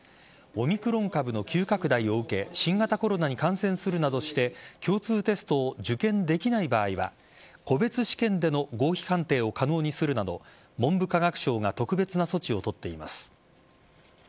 オミクロン株の急拡大を受け新型コロナに感染するなどして共通テストを受験できない場合は個別試験での合否判定を可能にするなど文部科学省が特別な措置を取っています。